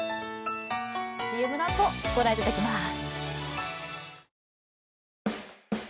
ＣＭのあとご覧いただけます